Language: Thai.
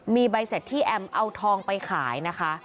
มีใบเสร็จที่แอมเอาทองไปขายนะคะ